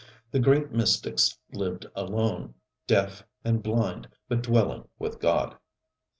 The great mystics lived alone, deaf and blind, but dwelling with God.